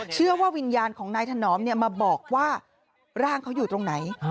เชื่อว่าวิญญาณของนายถนอมมาบอกว่าร่างเขาอยู่ตรงไหน